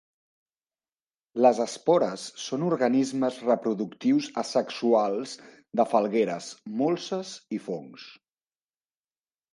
Les espores són organismes reproductius asexuals de falgueres, molses i fongs.